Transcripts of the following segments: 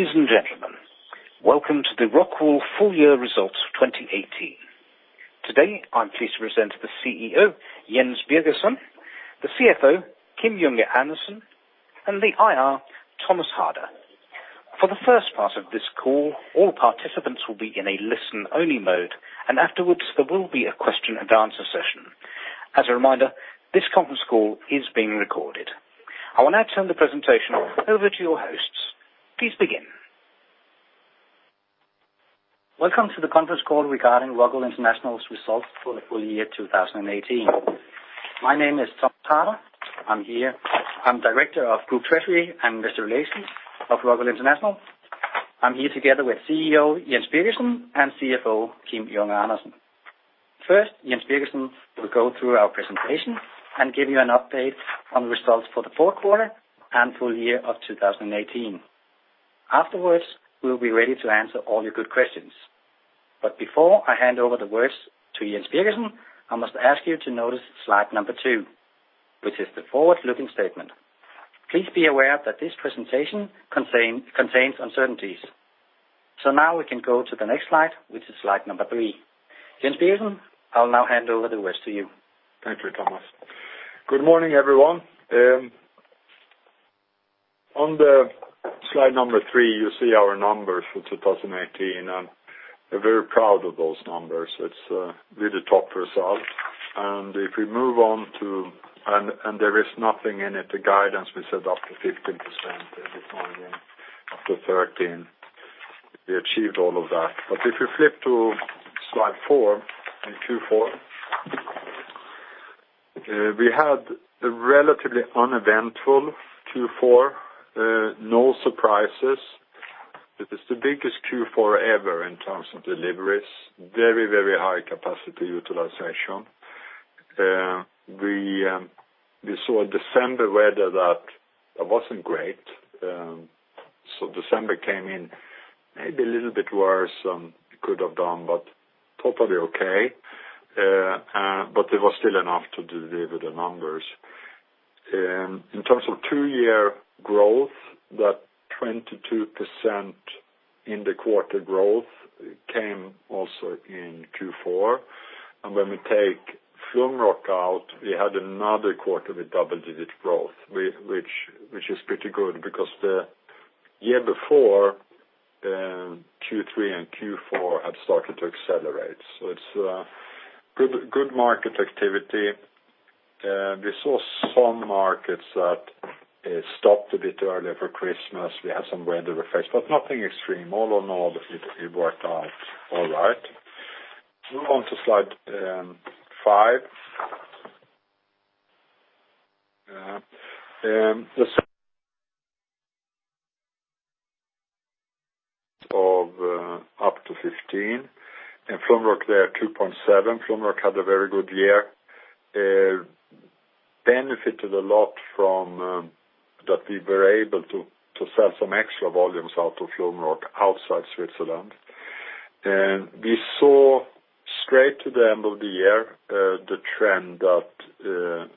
Ladies and gentlemen, welcome to the ROCKWOOL full year results 2018. Today, I'm pleased to present the CEO, Jens Birgersson, the CFO, Kim Junge Andersen, and the IR, Thomas Harder. For the first part of this call, all participants will be in a listen only mode, and afterwards there will be a question and answer session. As a reminder, this conference call is being recorded. I will now turn the presentation over to your hosts. Please begin. Welcome to the conference call regarding ROCKWOOL International's results for the full year 2018. My name is Thomas Harder. I'm Director of Group Treasury and Investor Relations of ROCKWOOL International. I'm here together with CEO, Jens Birgersson and CFO, Kim Junge Andersen. Jens Birgersson will go through our presentation and give you an update on the results for the fourth quarter and full year of 2018. We'll be ready to answer all your good questions. Before I hand over the words to Jens Birgersson, I must ask you to notice slide number two, which is the forward-looking statement. Please be aware that this presentation contains uncertainties. Now we can go to the next slide, which is slide number three. Jens Birgersson, I'll now hand over the rest to you. Thank you, Thomas. Good morning, everyone. On the slide number three, you see our numbers for 2018. We're very proud of those numbers. It's really top result. There is nothing in it, the guidance we set up to 15% and we came in up to 13%. We achieved all of that. If we flip to slide four, in Q4. We had a relatively uneventful Q4, no surprises. It is the biggest Q4 ever in terms of deliveries. Very, very high capacity utilization. We saw December weather that wasn't great. December came in maybe a little bit worse than it could have done, but totally okay. It was still enough to deliver the numbers. In terms of two-year growth, that 22% in the quarter growth came also in Q4. When we take Flumroc out, we had another quarter with double-digit growth, which is pretty good because the year before, Q3 and Q4 had started to accelerate. It's good market activity. We saw some markets that stopped a bit early for Christmas. We had some weather effects, but nothing extreme. All in all, it worked out all right. Move on to slide five. Of up to 15, and Flumroc there 2.7. Flumroc had a very good year. Benefited a lot from that we were able to sell some extra volumes out of Flumroc outside Switzerland. We saw straight to the end of the year, the trend that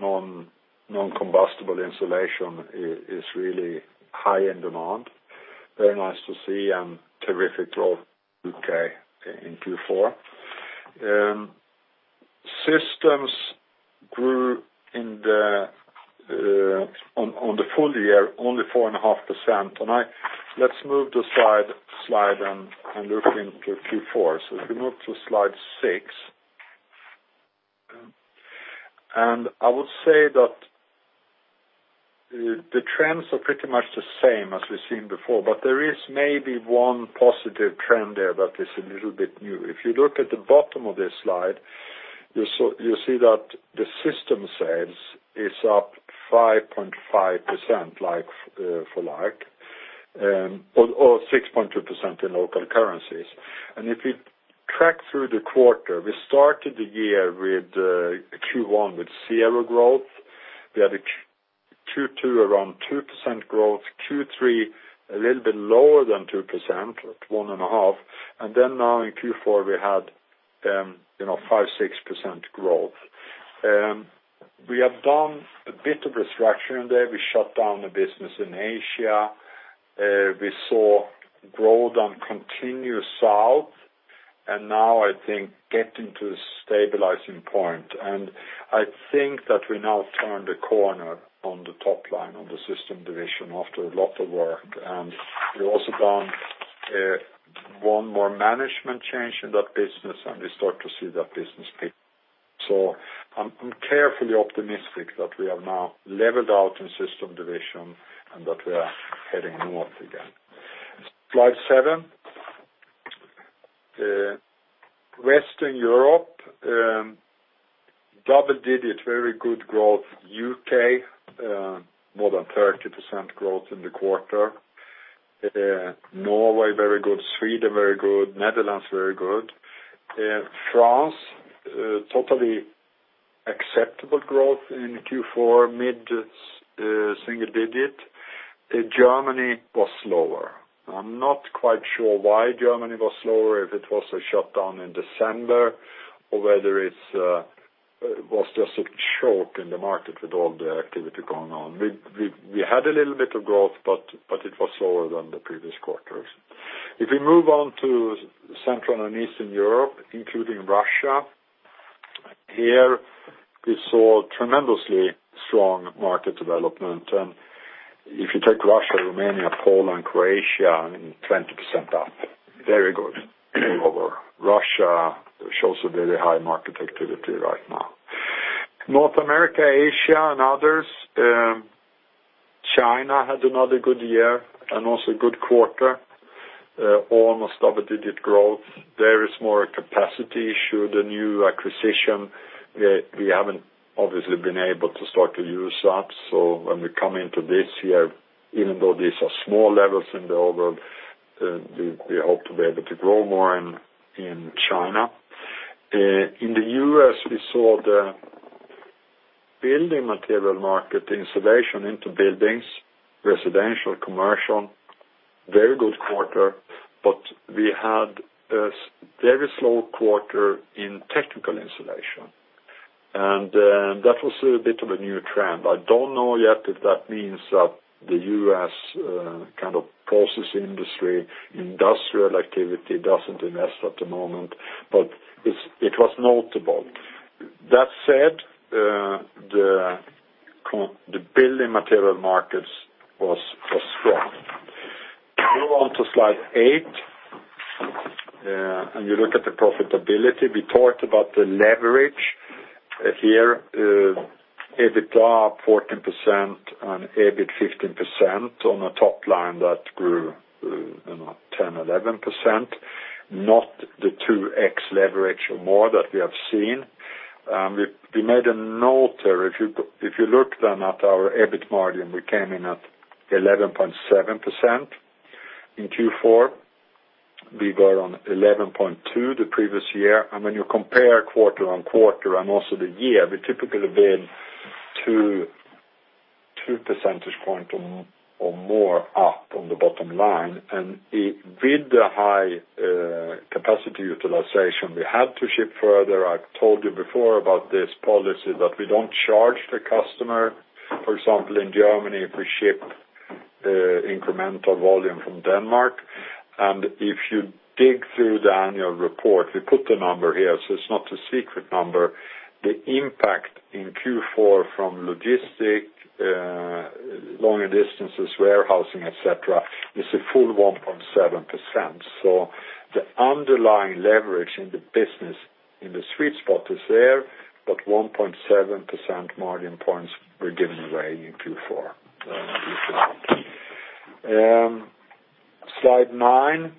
non-combustible insulation is really high in demand. Very nice to see and terrific growth, U.K. in Q4. Systems grew on the full year, only 4.5%. Let's move the slide and look into Q4. If we move to slide six, I would say that the trends are pretty much the same as we've seen before. There is maybe one positive trend there that is a little bit new. If you look at the bottom of this slide, you see that the system sales is up 5.5% like for like, or 6.2% in local currencies. If you track through the quarter, we started the year with Q1 with zero growth. We had a Q2 around 2% growth. Q3, a little bit lower than 2%, at 1.5%. Now in Q4, we had 5%-6% growth. We have done a bit of restructuring there. We shut down the business in Asia. We saw growth on Continental South. Now I think getting to a stabilizing point. I think that we now turn the corner on the top line on the system division after a lot of work. We also done one more management change in that business, and we start to see that business pick. I'm carefully optimistic that we have now leveled out in system division and that we are heading north again. Slide seven. Western Europe, double-digit, very good growth. U.K., more than 30% growth in the quarter. Norway, very good. Sweden, very good. Netherlands, very good. France, totally acceptable growth in Q4, mid-single digit. Germany was slower. I'm not quite sure why Germany was slower, if it was a shutdown in December or whether it was just a choke in the market with all the activity going on. We had a little bit of growth. It was lower than the previous quarters. If we move on to Central and Eastern Europe, including Russia, here we saw tremendously strong market development. If you take Russia, Romania, Poland, Croatia, 20% up. Very good overall. Russia shows a very high market activity right now. North America, Asia, and others. China had another good year and also a good quarter, almost double-digit growth. There is more a capacity issue. The new acquisition, we haven't obviously been able to start to use that. When we come into this year, even though these are small levels in the overall, we hope to be able to grow more in China. In the U.S., we saw the building material market, insulation into buildings, residential, commercial, very good quarter. We had a very slow quarter in technical insulation, and that was a bit of a new trend. I don't know yet if that means that the U.S. process industry, industrial activity doesn't invest at the moment. It was notable. That said, the building material markets was strong. Move on to slide eight. You look at the profitability. We talked about the leverage here, EBITDA up 14% and EBIT 15% on a top line that grew 10%-11%. Not the 2x leverage or more that we have seen. We made a note there. If you look then at our EBIT margin, we came in at 11.7% in Q4. We were on 11.2% the previous year. When you compare quarter-over-quarter and also the year, we typically have been 2 percentage points or more up on the bottom line. With the high capacity utilization, we had to ship further. I've told you before about this policy that we don't charge the customer, for example, in Germany, if we ship incremental volume from Denmark. If you dig through the annual report, we put the number here, so it's not a secret number. The impact in Q4 from logistic, longer distances, warehousing, et cetera, is a full 1.7%. The underlying leverage in the business in the sweet spot is there, but 1.7% margin points were given away in Q4. Slide nine.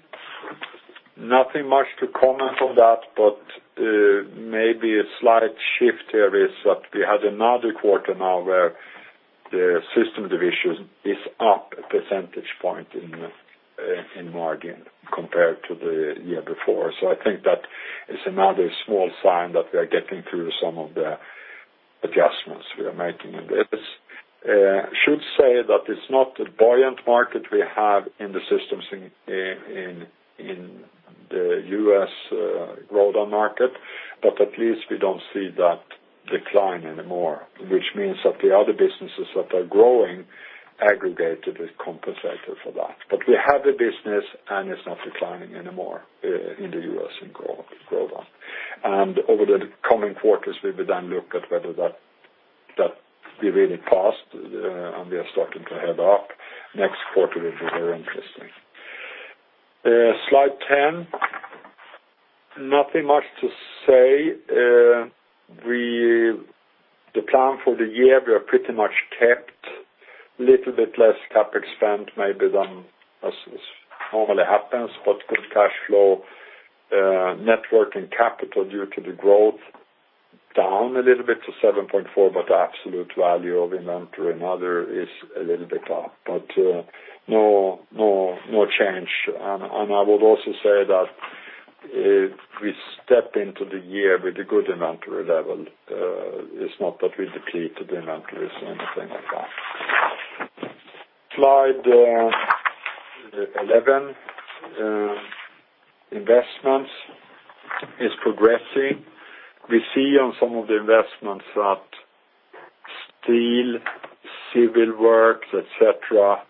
Nothing much to comment on that, but maybe a slight shift here is that we had another quarter now where the system division is up a percentage point in margin compared to the year before. I think that is another small sign that we are getting through some of the adjustments we are making in this. Should say that it's not a buoyant market we have in the systems in the U.S. Rockfon market, but at least we don't see that decline anymore, which means that the other businesses that are growing aggregated has compensated for that. We have the business and it's not declining anymore in the U.S. in Rockfon. Over the coming quarters, we will then look at whether that really passed and we are starting to head up. Next quarter will be very interesting. Slide 10. Nothing much to say. The plan for the year, we are pretty much kept. Little bit less CapEx spend maybe than as normally happens, but good cash flow. Net working capital due to the growth down a little bit to 7.4%, but the absolute value of inventory and other is a little bit up, but no change. I would also say that we step into the year with a good inventory level. It's not that we depleted inventories or anything like that. Slide 11. Investments is progressing. We see on some of the investments that steel, civil works, et cetera,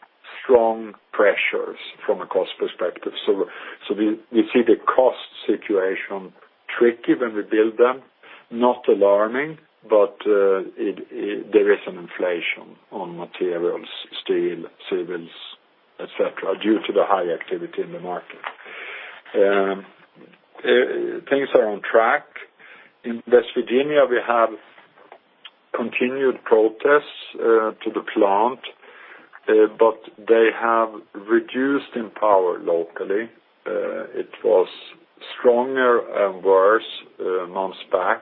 strong pressures from a cost perspective. We see the cost situation tricky when we build them. Not alarming, but there is an inflation on materials, steel, civils, et cetera, due to the high activity in the market. Things are on track. In West Virginia, we have continued protests to the plant, but they have reduced in power locally. It was stronger and worse months back,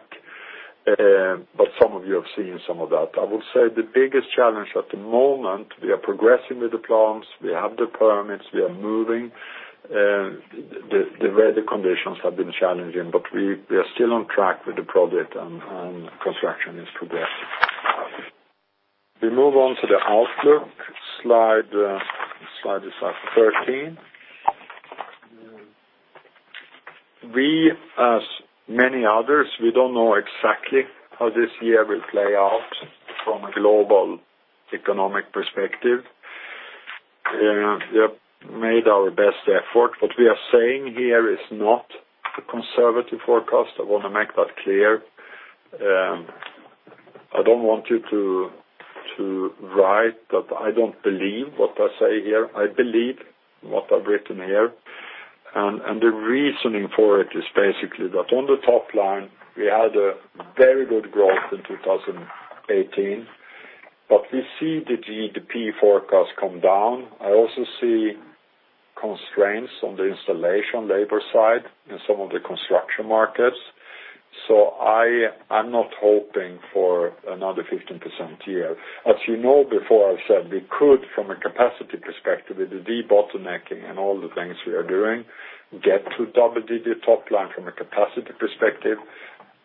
but some of you have seen some of that. I would say the biggest challenge at the moment, we are progressing with the plants. We have the permits, we are moving. The weather conditions have been challenging, but we are still on track with the project and construction is progressing. We move on to the outlook. Slide 13. We, as many others, we don't know exactly how this year will play out from a global economic perspective. We have made our best effort. What we are saying here is not a conservative forecast. I want to make that clear. I don't want you to write that I don't believe what I say here. I believe what I've written here. The reasoning for it is basically that on the top line, we had a very good growth in 2018, but we see the GDP forecast come down. I also see constraints on the installation labor side in some of the construction markets. I'm not hoping for another 15% year. As you know before I've said we could, from a capacity perspective, with the de-bottlenecking and all the things we are doing, get to double-digit top line from a capacity perspective.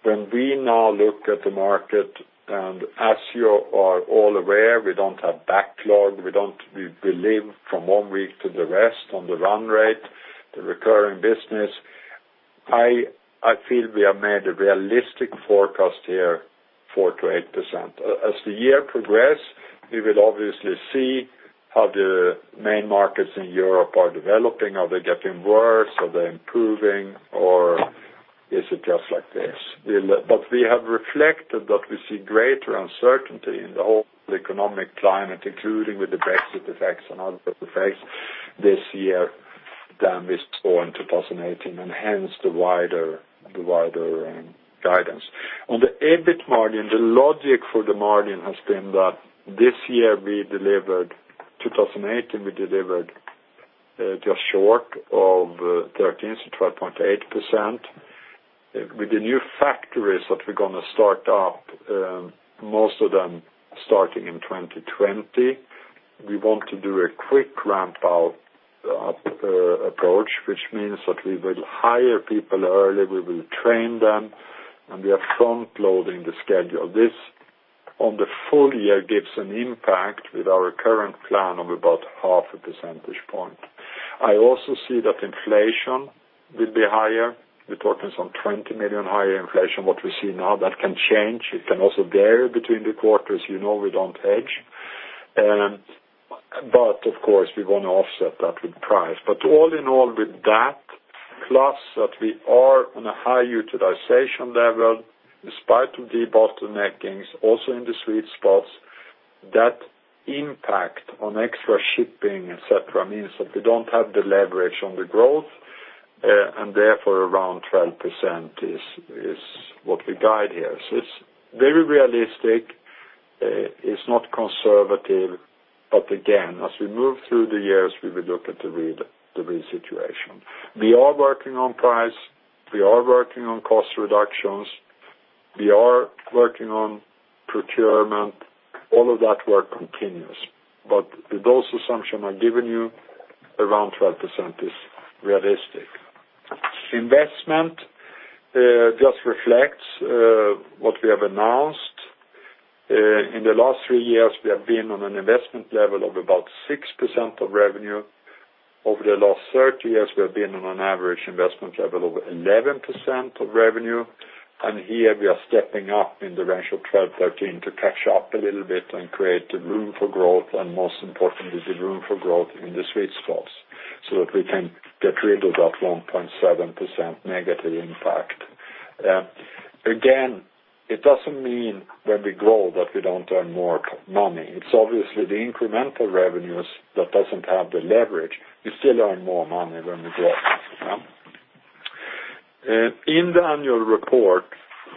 When we now look at the market, and as you are all aware, we don't have backlog. We live from one week to the rest on the run rate, the recurring business. I feel we have made a realistic forecast here, 4%-8%. As the year progress, we will obviously see how the main markets in Europe are developing. Are they getting worse? Are they improving or is it just like this? We have reflected that we see greater uncertainty in the whole economic climate, including with the Brexit effects and other effects this year than we saw in 2018, and hence the wider guidance. On the EBIT margin, the logic for the margin has been that this year we delivered, 2018, we delivered just short of 13%, so 12.8%. With the new factories that we're going to start up, most of them starting in 2020, we want to do a quick ramp out approach, which means that we will hire people early, we will train them, and we are front-loading the schedule. This, on the full year, gives an impact with our current plan of about 0.5 percentage point. I also see that inflation will be higher. We're talking some 20 million higher inflation what we see now. That can change. It can also vary between the quarters. You know we don't hedge. Of course, we're going to offset that with price. All in all, with that, plus that we are on a high utilization level despite of de-bottleneckings also in the sweet spots, that impact on extra shipping, et cetera, means that we don't have the leverage on the growth, and therefore, around 12% is what we guide here. It's very realistic. It's not conservative, again, as we move through the years, we will look at the real situation. We are working on price. We are working on cost reductions. We are working on procurement. All of that work continues. With those assumption I've given you, around 12% is realistic. Investment just reflects what we have announced. In the last three years, we have been on an investment level of about 6% of revenue. Over the last 30 years, we have been on an average investment level of 11% of revenue, and here we are stepping up in the range of 12%-13% to catch up a little bit and create the room for growth, and most importantly, the room for growth in the sweet spots so that we can get rid of that 1.7% negative impact. Again, it doesn't mean when we grow that we don't earn more money. It's obviously the incremental revenues that doesn't have the leverage. We still earn more money when we grow. In the annual report,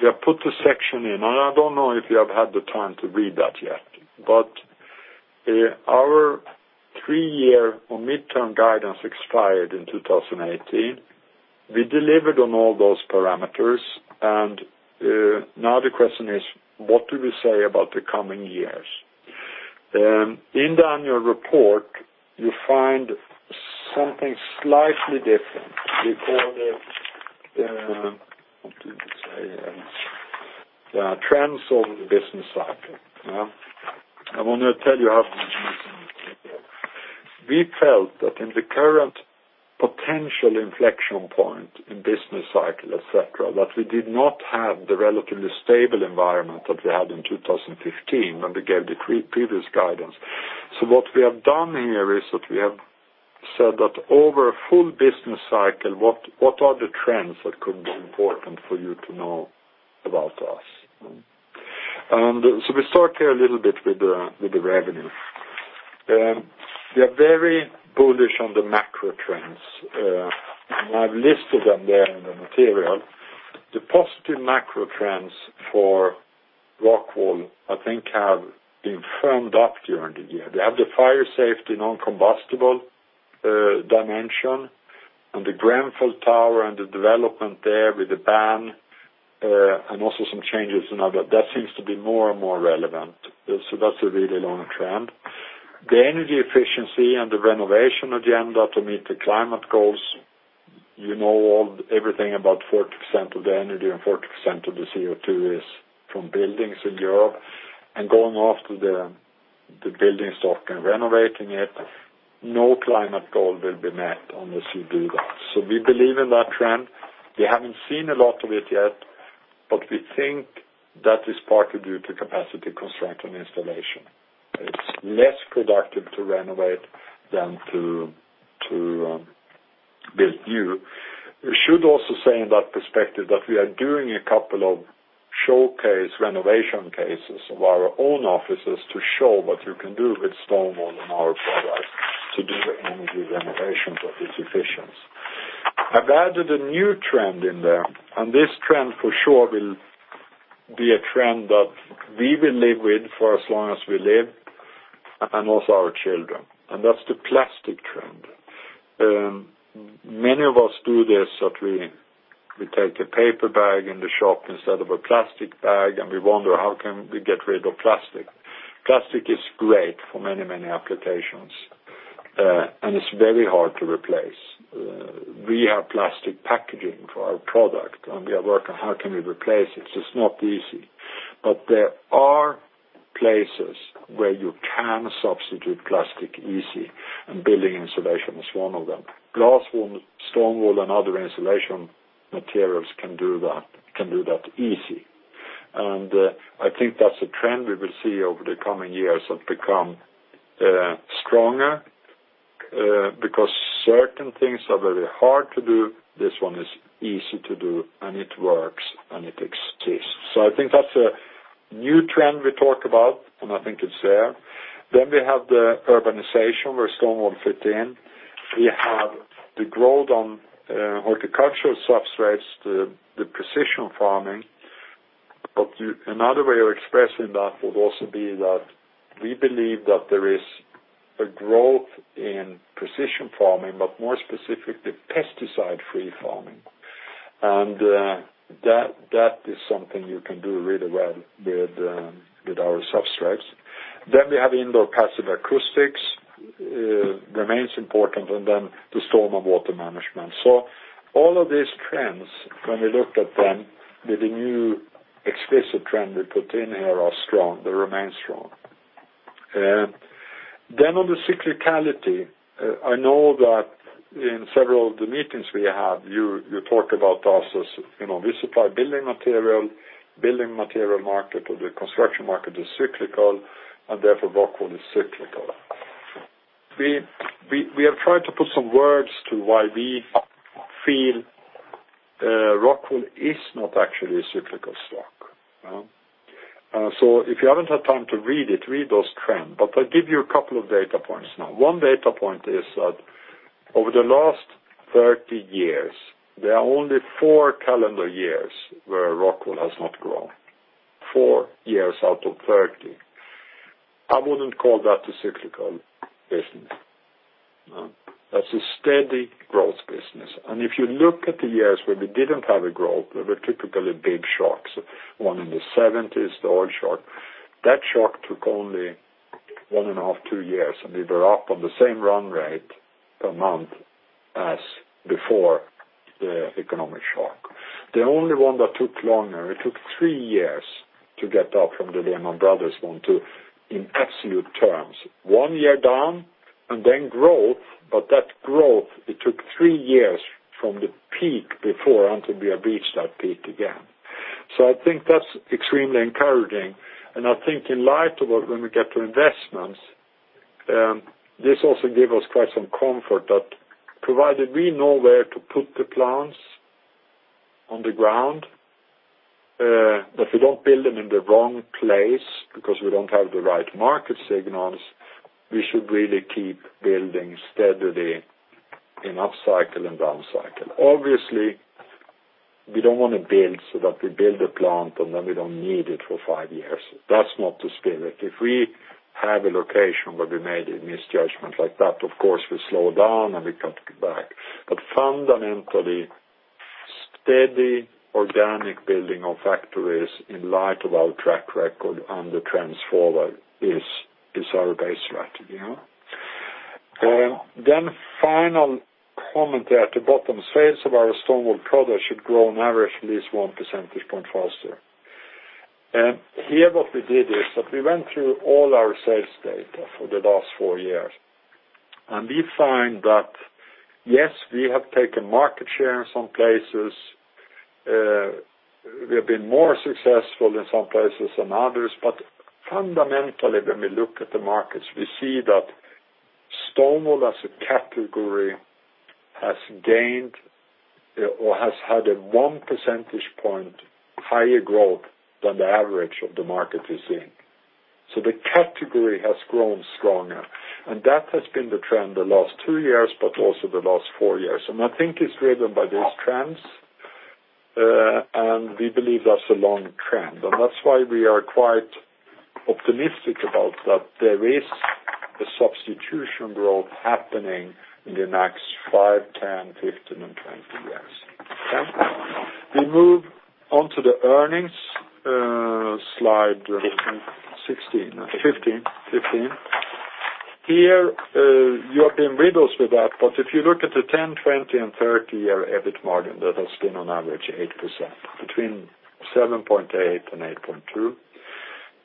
we have put a section in, and I don't know if you have had the time to read that yet, but our three-year or midterm guidance expired in 2018. We delivered on all those parameters, and now the question is, what do we say about the coming years? In the annual report, you find something slightly different. We call it trends over the business cycle. We felt that in the current potential inflection point in business cycle, et cetera, that we did not have the relatively stable environment that we had in 2015 when we gave the previous guidance. What we have done here is that we have said that over a full business cycle, what are the trends that could be important for you to know about us? We start here a little bit with the revenue. We are very bullish on the macro trends, and I've listed them there in the material. The positive macro trends for ROCKWOOL, I think have been firmed up during the year. They have the fire safety non-combustible dimension and the Grenfell Tower and the development there with the ban, and also some changes and other. That seems to be more and more relevant. That's a really long trend. The energy efficiency and the renovation agenda to meet the climate goals. You know everything about 40% of the energy and 40% of the CO2 is from buildings in Europe. Going after the building stock and renovating it, no climate goal will be met unless you do that. We believe in that trend. We haven't seen a lot of it yet, but we think that is partly due to capacity constraint on installation. It's less productive to renovate than to build new. We should also say in that perspective, that we are doing a couple of showcase renovation cases of our own offices to show what you can do with stone wool and our products to do the energy renovations that it's efficient. I've added a new trend in there, this trend for sure will be a trend that we will live with for as long as we live, and also our children. That's the plastic trend. Many of us do this, that we take a paper bag in the shop instead of a plastic bag, and we wonder, how can we get rid of plastic? Plastic is great for many applications, and it's very hard to replace. We have plastic packaging for our product, and we are working, how can we replace it? It's not easy. There are places where you can substitute plastic easily, and building insulation is one of them. Glass wool, stone wool, and other insulation materials can do that easily. I think that's a trend we will see over the coming years that become stronger, because certain things are very hard to do. This one is easy to do, and it works, and it exists. I think that's a new trend we talk about, and I think it's there. We have the urbanization where stone wool fit in. We have the growth on horticultural substrates, the precision farming. Another way of expressing that would also be that we believe that there is a growth in precision farming, but more specifically, pesticide-free farming. That is something you can do really well with our substrates. We have indoor passive acoustics, remains important, and the storm and water management. All of these trends, when we looked at them with the new explicit trend we put in here, are strong. They remain strong. On the cyclicality, I know that in several of the meetings we have, you talk about us as we supply building material, building material market or the construction market is cyclical, and therefore ROCKWOOL is cyclical. We have tried to put some words to why we feel ROCKWOOL is not actually a cyclical stock. If you haven't had time to read it, read those trends. I'll give you a couple of data points now. One data point is that over the last 30 years, there are only four calendar years where ROCKWOOL has not grown. Four years out of 30. I wouldn't call that a cyclical business. That's a steady growth business. If you look at the years where we didn't have a growth, there were typically big shocks. One in the 1970s, the oil shock. That shock took only one and a half, two years, and we were up on the same run rate per month as before the economic shock. The only one that took longer, it took three years to get up from the Lehman Brothers one too, in absolute terms. One year down and then growth, but that growth, it took three years from the peak before until we have reached that peak again. I think that's extremely encouraging, and I think in light of when we get to investments, this also give us quite some comfort that provided we know where to put the plants on the ground, that we don't build them in the wrong place because we don't have the right market signals, we should really keep building steadily in up cycle and down cycle. Obviously, we don't want to build so that we build a plant and then we don't need it for five years. That's not the spirit. If we have a location where we made a misjudgment like that, of course, we slow down and we cut back. Fundamentally, steady organic building of factories in light of our track record and the trends forward is our base strategy. Final comment there at the bottom, sales of our stone wool products should grow on average at least 1 percentage point faster. Here what we did is that we went through all our sales data for the last four years, and we find that, yes, we have taken market share in some places, we have been more successful in some places than others, but fundamentally, when we look at the markets, we see that stone wool as a category has gained or has had a 1 percentage point higher growth than the average of the market is in. The category has grown stronger, and that has been the trend the last two years, but also the last four years. I think it's driven by these trends, and we believe that's a long trend. That's why we are quite optimistic about that there is a substitution growth happening in the next five, 10, 15, and 20 years. We move on to the earnings, slide 15. 16. 15. Here, you have been riddled with that, but if you look at the 10, 20, and 30-year EBIT margin, that has been on average 8%, between 7.8% and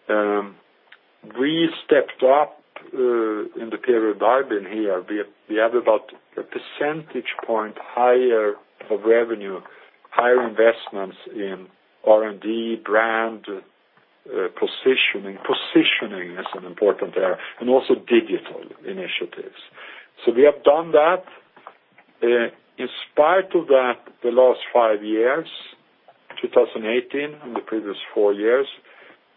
8.2%. We stepped up in the period I've been here. We have about a percentage point higher of revenue, higher investments in R&D, brand positioning. Positioning is an important area, and also digital initiatives. We have done that. In spite of that, the last five years, 2018 and the previous four years,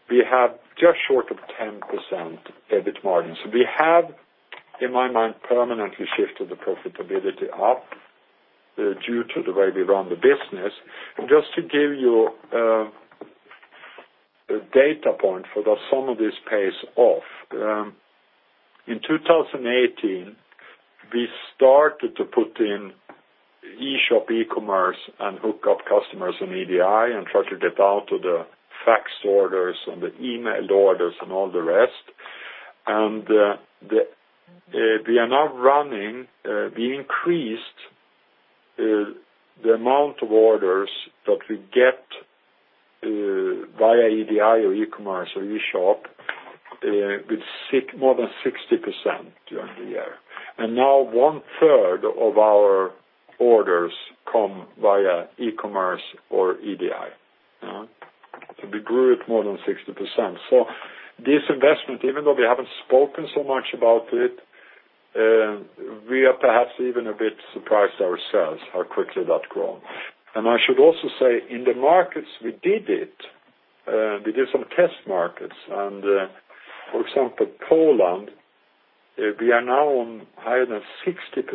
we have just short of 10% EBIT margin. We have, in my mind, permanently shifted the profitability up due to the way we run the business. Just to give you a data point for that some of this pays off. In 2018, we started to put in E-Shop e-commerce and hook up customers on EDI and try to get out of the fax orders and the emailed orders and all the rest. We are now running, we increased the amount of orders that we get via EDI or e-commerce or E-Shop with more than 60% during the year. Now one-third of our orders come via e-commerce or EDI. We grew it more than 60%. This investment, even though we haven't spoken so much about it, we are perhaps even a bit surprised ourselves how quickly that grown. I should also say, in the markets we did it, we did some test markets, and for example, Poland, we are now on higher than 60%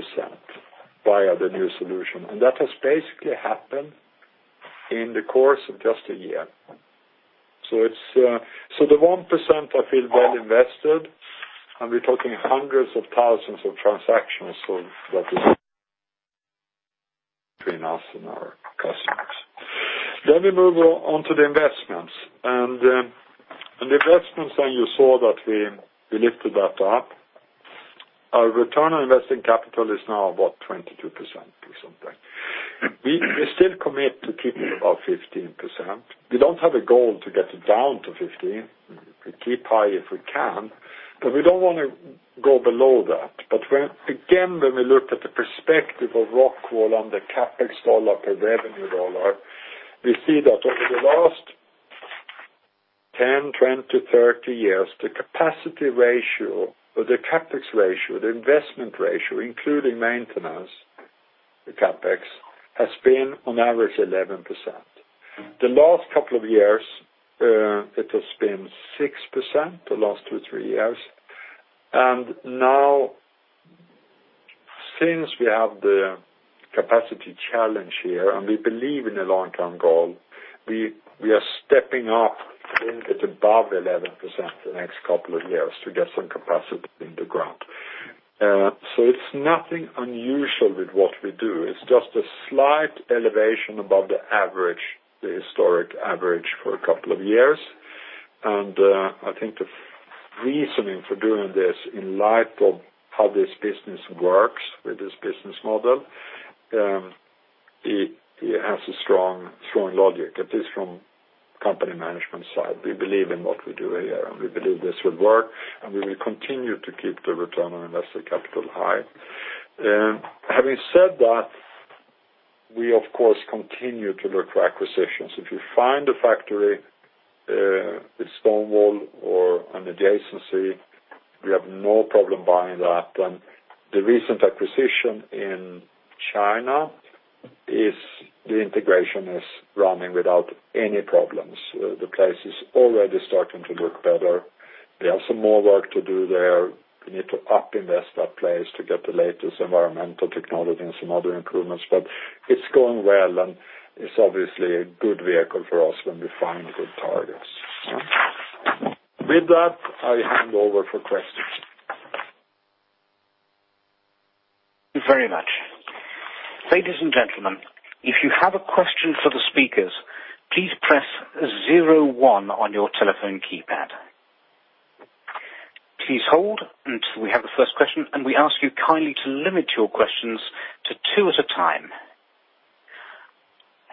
via the new solution, and that has basically happened in the course of just a year. The 1% I feel well invested, and we're talking hundreds of thousands of transactions, that is between us and our customers. We move on to the investments. The investments, you saw that we lifted that up. Our return on investing capital is now about 22% or something. We still commit to keeping above 15%. We don't have a goal to get it down to 15%. We keep high if we can, but we don't want to go below that. Again, when we look at the perspective of ROCKWOOL and the CapEx dollar per revenue dollar, we see that over the last 10, 20, 30 years, the capacity ratio or the CapEx ratio, the investment ratio, including maintenance, the CapEx, has been on average 11%. The last couple of years, it has been 6%, the last two, three years. Now since we have the capacity challenge here, and we believe in the long-term goal, we are stepping up a little bit above 11% the next couple of years to get some capacity in the ground. It's nothing unusual with what we do. It's just a slight elevation above the average, the historic average for a couple of years. I think the reasoning for doing this in light of how this business works with this business model, it has a strong logic, at least from company management side. We believe in what we do here, and we believe this will work, and we will continue to keep the return on invested capital high. Having said that, we of course continue to look for acquisitions. If you find a factory, with stone wool or an adjacency, we have no problem buying that. The recent acquisition in China, the integration is running without any problems. The place is already starting to look better. We have some more work to do there. We need to up invest that place to get the latest environmental technology and some other improvements, but it is going well, and it is obviously a good vehicle for us when we find good targets. With that, I hand over for questions. Thank you very much. Ladies and gentlemen, if you have a question for the speakers, please press zero one on your telephone keypad. Please hold until we have the first question, and we ask you kindly to limit your questions to two at a time.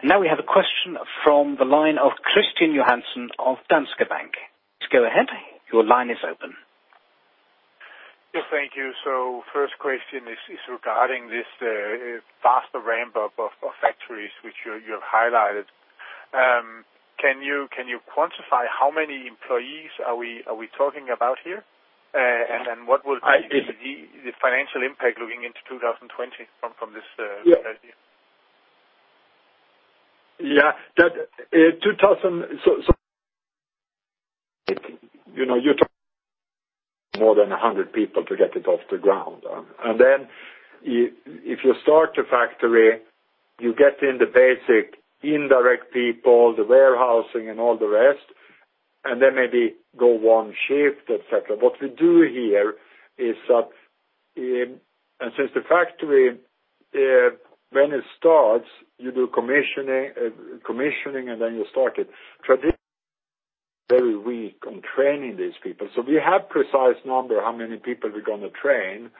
We have a question from the line of Kristian Johansen of Danske Bank. Please go ahead. Your line is open. Yes. Thank you. First question is regarding this faster ramp-up of factories, which you have highlighted. Can you quantify how many employees are we talking about here? What will be the financial impact looking into 2020 from this idea? Yeah. You talk more than 100 people to get it off the ground. If you start a factory, you get in the basic indirect people, the warehousing and all the rest, and then maybe go one shift, et cetera. What we do here is that when the factory starts, you do commissioning, and then you start it. Traditionally, very weak on training these people. We have precise number, how many people we are going to train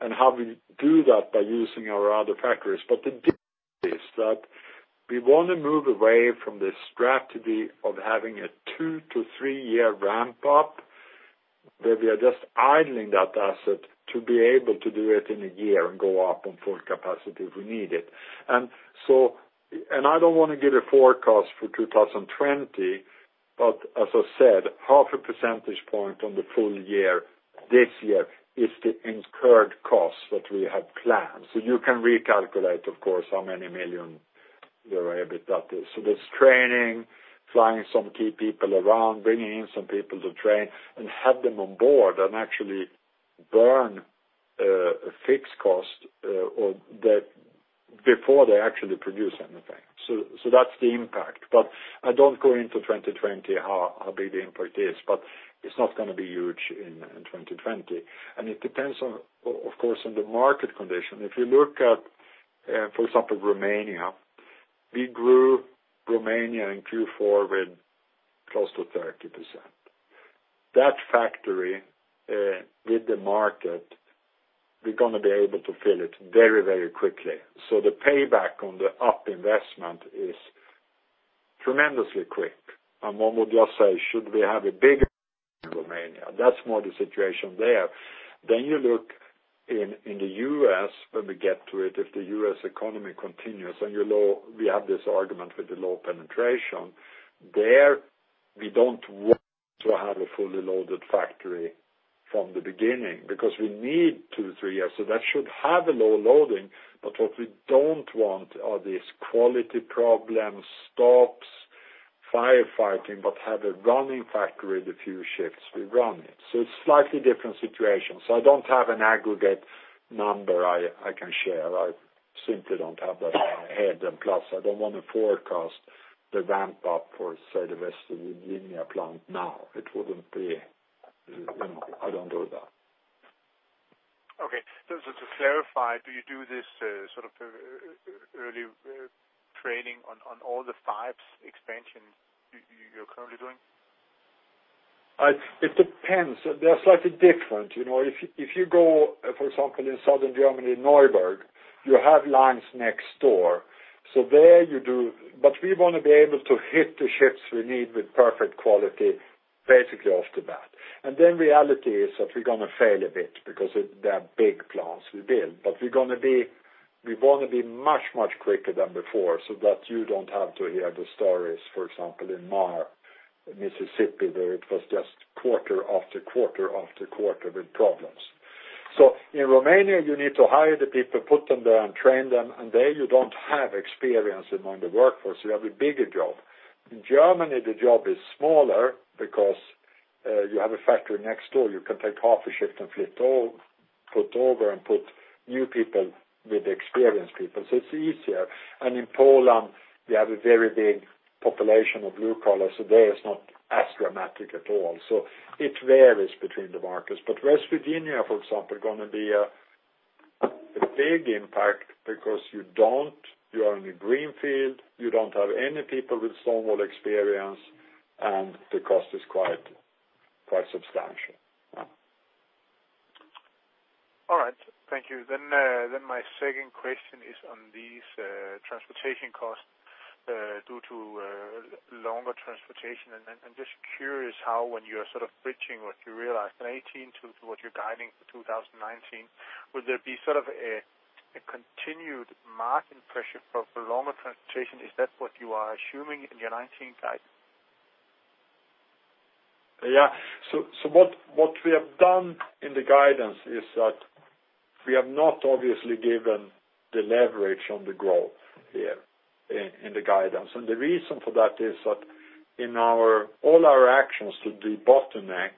and how we do that by using our other factories. The deal is that we want to move away from this strategy of having a two to three-year ramp up, where we are just idling that asset to be able to do it in a year and go up on full capacity if we need it. I don't want to give a forecast for 2020, as I said, 0.5 percentage point on the full year this year is the incurred cost that we have planned. You can recalculate, of course, how many million your EBITDA is. There's training, flying some key people around, bringing in some people to train and have them on board and actually burn a fixed cost before they actually produce anything. That's the impact. I don't go into 2020 how big the impact is, but it's not going to be huge in 2020. It depends, of course, on the market condition. If you look at, for example, Romania, we grew Romania in Q4 with close to 30%. That factory, with the market, we're going to be able to fill it very quickly. The payback on the up investment is tremendously quick. One would just say, should we have a bigger Romania? That's more the situation there. You look in the U.S., when we get to it, if the U.S. economy continues, and we have this argument with the low penetration, there we don't want to have a fully loaded factory from the beginning, because we need two, three years. That should have a low loading, but what we don't want are these quality problems, stops, firefighting, but have a running factory, the few shifts we run it. It's slightly different situations. I don't have an aggregate number I can share. I simply don't have that in my head. I don't want to forecast the ramp up for, say, the West Virginia plant now. I don't do that. Okay. Just to clarify, do you do this sort of early training on all the five expansions you're currently doing? It depends. They're slightly different. If you go, for example, in Southern Germany, Neuburg, you have lines next door. We want to be able to hit the shifts we need with perfect quality, basically off the bat. Reality is that we're going to fail a bit because they are big plants we build. We want to be much quicker than before, so that you don't have to hear the stories, for example, in Marshall, Mississippi, where it was just quarter after quarter with problems. In Romania, you need to hire the people, put them there, and train them, and there you don't have experience among the workforce. You have a bigger job. In Germany, the job is smaller because you have a factory next door. You can take half a shift and put over and put new people with experienced people. It's easier. In Poland, we have a very big population of blue collar, so there it's not as dramatic at all. It varies between the markets. West Virginia, for example, going to be a big impact because you are in a green field, you don't have any people with stone wool experience, and the cost is quite substantial. All right. Thank you. My second question is on these transportation costs due to longer transportation. I'm just curious how, when you're sort of bridging what you realized in 2018 to what you're guiding for 2019, would there be sort of a continued margin pressure for longer transportation? Is that what you are assuming in your 2019 guide? Yeah. What we have done in the guidance is that we have not obviously given the leverage on the growth here in the guidance. The reason for that is that in all our actions to debottleneck,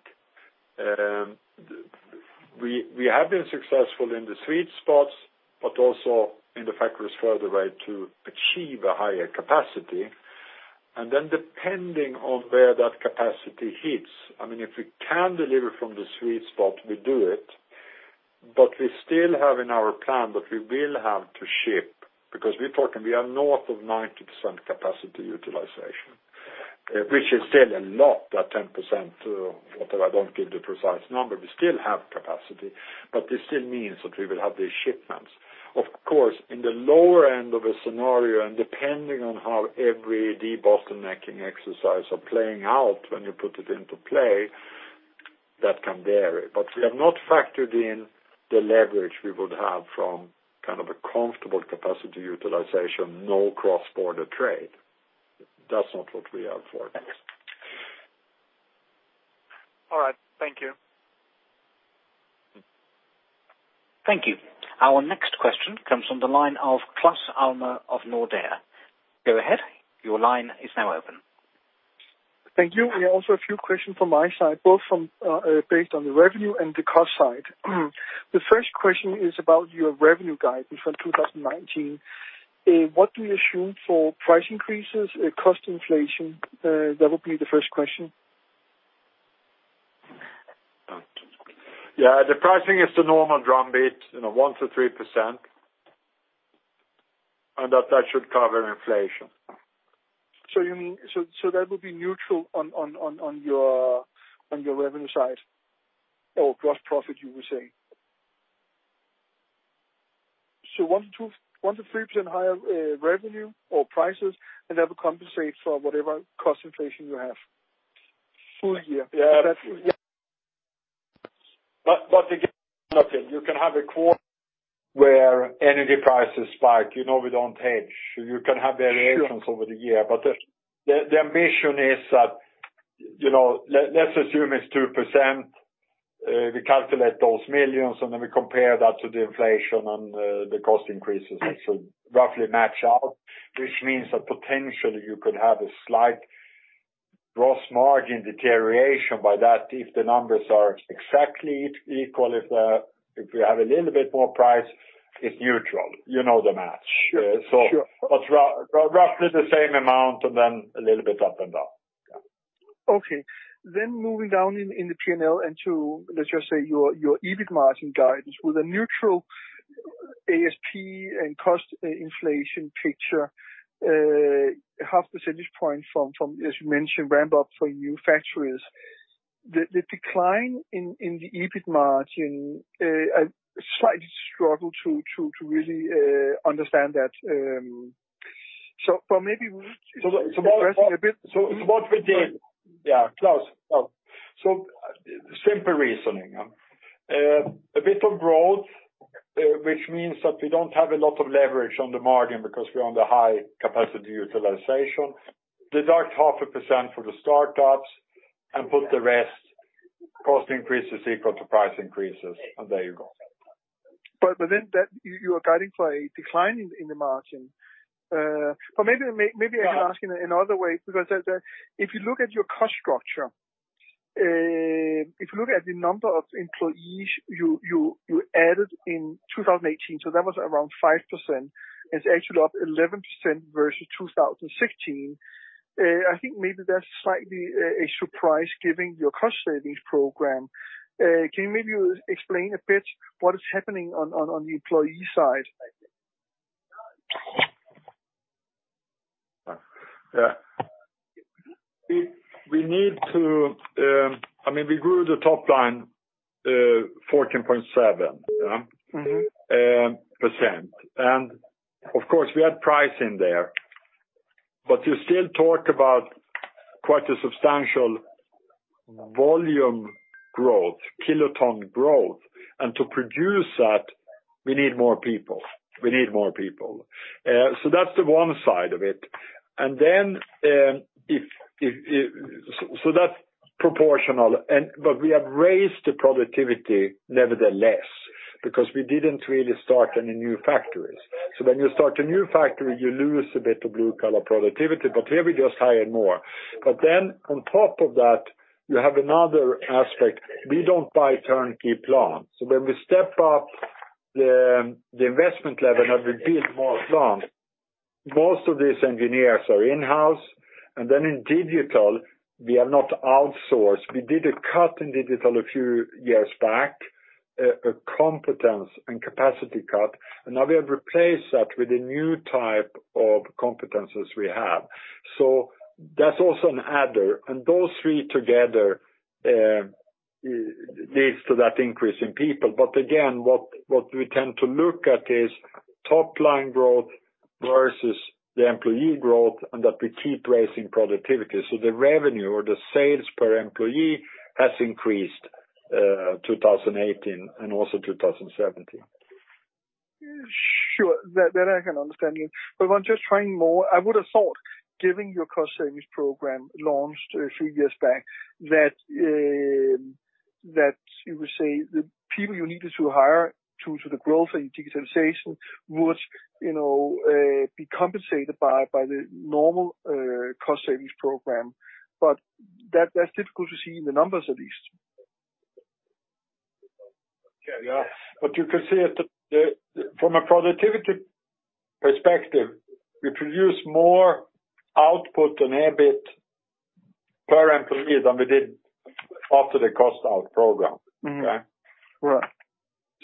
we have been successful in the sweet spots, but also in the factories further away to achieve a higher capacity. Depending on where that capacity hits, if we can deliver from the sweet spot, we do it, but we still have in our plan that we will have to ship, because we're talking, we are north of 90% capacity utilization, which is still a lot, that 10%, whatever, I don't give the precise number. We still have capacity, but this still means that we will have these shipments. Of course, in the lower end of a scenario, depending on how every debottlenecking exercise are playing out when you put it into play, that can vary. We have not factored in the leverage we would have from a comfortable capacity utilization, no cross-border trade. That's not what we have for next. All right. Thank you. Thank you. Our next question comes from the line of Claus Almer of Nordea. Go ahead. Your line is now open. Thank you. Also a few questions from my side, both based on the revenue and the cost side. The first question is about your revenue guidance for 2019. What do you assume for price increases, cost inflation? That would be the first question. Yeah. The pricing is the normal drum beat, 1%-3%, and that should cover inflation. That will be neutral on your revenue side or gross profit, you were saying? 1%-3% higher revenue or prices, and that will compensate for whatever cost inflation you have full year? Yeah. Again, you can have a quarter where energy prices spike. We don't hedge. You can have variations over the year, but the ambition is that, let's assume it's 2%, we calculate those millions, and then we compare that to the inflation and the cost increases. They should roughly match out, which means that potentially you could have a slight gross margin deterioration by that if the numbers are exactly equal. If we have a little bit more price, it's neutral. You know the match. Sure. Roughly the same amount, and then a little bit up and down. Yeah. Okay. Moving down in the P&L into, let's just say, your EBIT margin guidance with a neutral ASP and cost inflation picture, a 0.5 percentage point from, as you mentioned, ramp-up for new factories. The decline in the EBIT margin, I slightly struggle to really understand that. Yeah, Claus. Simple reasoning. A bit of growth, which means that we don't have a lot of leverage on the margin because we're on the high capacity utilization. Deduct half a percent for the startups and put the rest cost increases equal to price increases, there you go. You are guiding for a decline in the margin. Maybe I can ask in another way, because if you look at your cost structure, if you look at the number of employees you added in 2018, that was around 5%, it's actually up 11% versus 2016. I think maybe that's slightly a surprise given your cost savings program. Can you maybe explain a bit what is happening on the employee side? Yeah. We grew the top line 14.7%. Of course, we had price in there. You still talk about quite a substantial volume growth, kiloton growth. To produce that, we need more people. That's the one side of it. That's proportional, we have raised the productivity nevertheless, because we didn't really start any new factories. When you start a new factory, you lose a bit of blue-collar productivity, here we just hired more. On top of that, you have another aspect. We don't buy turnkey plants. When we step up the investment level and we build more plants, most of these engineers are in-house. In digital, we are not outsourced. We did a cut in digital a few years back, a competence and capacity cut, and now we have replaced that with the new type of competencies we have. That's also an adder, and those three together leads to that increase in people. Again, what we tend to look at is top-line growth versus the employee growth, and that we keep raising productivity. The revenue or the sales per employee has increased 2018 and also 2017. Sure. That I can understand. I'm just trying more. I would have thought, given your cost savings program launched a few years back, that you would say the people you needed to hire due to the growth and digitalization would be compensated by the normal cost savings program, but that's difficult to see in the numbers, at least. Yeah. You can see it from a productivity perspective, we produce more output on EBIT per employee than we did after the cost-out program. Okay? Right.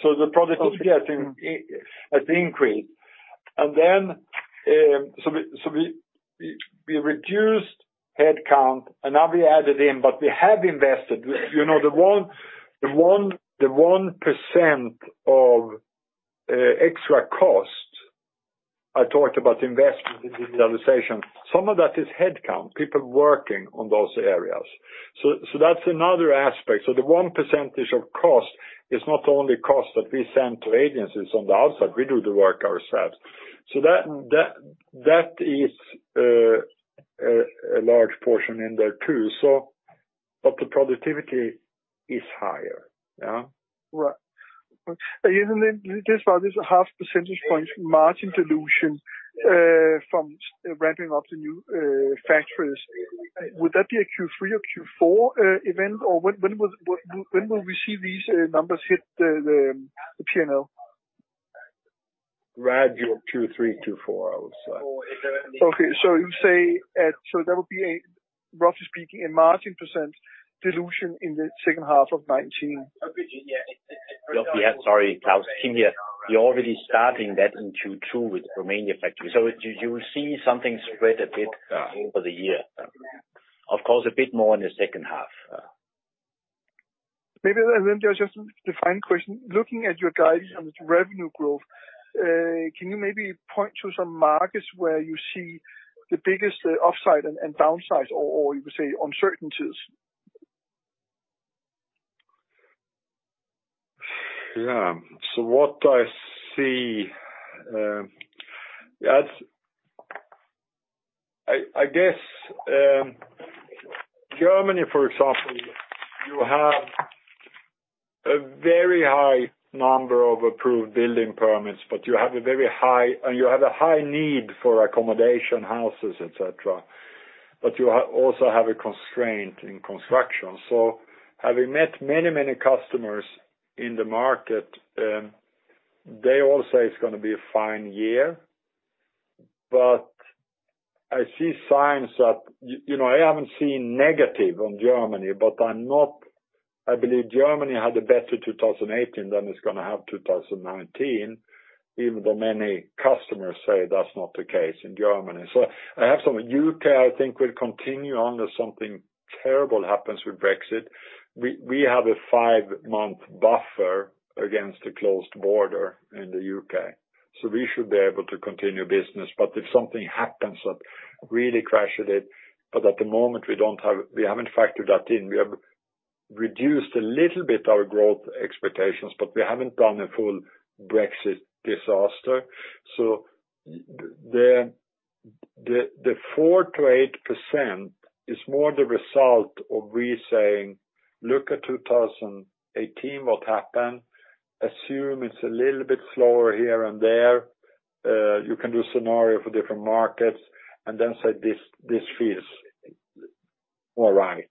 The productivity has increased. We reduced headcount, and now we added in, but we have invested. The 1% of extra cost I talked about investment in digitalization, some of that is headcount, people working on those areas. That's another aspect. The 1% of cost is not only cost that we send to agencies on the outside. We do the work ourselves. That is a large portion in there, too. The productivity is higher. Yeah? Right. Isn't it just about this 0.5 percentage point margin dilution from ramping up the new factories? Would that be a Q3 or Q4 event, or when will we see these numbers hit the P&L? Gradual Q3, Q4, I would say. Okay. You say that would be a, roughly speaking, a margin percent dilution in the second half of 2019. Sorry, Claus. Kim here. We're already starting that in Q2 with Romania factory. You will see something spread a bit over the year. Of course, a bit more in the second half. Maybe, just a defined question, looking at your guidance on the revenue growth, can you maybe point to some markets where you see the biggest upside and downsides or you would say uncertainties? Yeah. What I see, I guess Germany, for example, you have a very high number of approved building permits, and you have a high need for accommodation, houses, et cetera. You also have a constraint in construction. Having met many customers in the market, they all say it's going to be a fine year, but I see signs that I haven't seen negative on Germany, but I believe Germany had a better 2018 than it's going to have 2019, even though many customers say that's not the case in Germany. I have some. U.K., I think will continue unless something terrible happens with Brexit. We have a five-month buffer against a closed border in the U.K., so we should be able to continue business, but if something happens that really crashes it. At the moment, we haven't factored that in. We have reduced a little bit our growth expectations, but we haven't done a full Brexit disaster. The 4%-8% is more the result of we saying, look at 2018, what happened, assume it's a little bit slower here and there. You can do a scenario for different markets say, this feels all right.